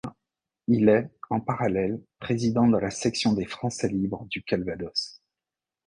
Il est, en parallèle, président de la section des Français libres du Calvados.